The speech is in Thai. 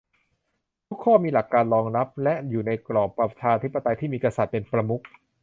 ทุกข้อมีหลักการรองรับและอยู่ในกรอบประชาธิปไตยที่มีกษัตริย์เป็นประมุข